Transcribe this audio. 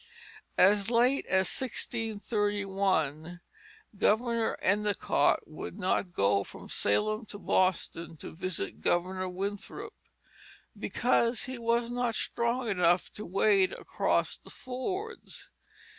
As late as 1631 Governor Endicott would not go from Salem to Boston to visit Governor Winthrop because he was not strong enough to wade across the fords.